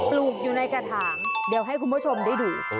ปลูกอยู่ในกระถางเดี๋ยวให้คุณผู้ชมได้ดู